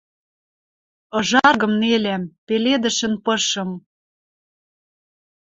Ыжаргым нелӓм, пеледышӹн пышым...